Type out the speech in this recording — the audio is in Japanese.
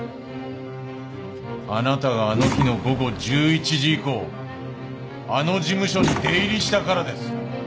あなたがあの日の午後１１時以降あの事務所に出入りしたからです。